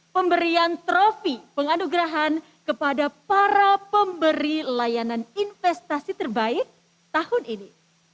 pemberian trofi penganugerahan kepada para pemberi layanan investasi terbaik tahun ini